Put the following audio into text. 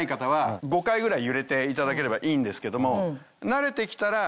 揺れていただければいいんですけども。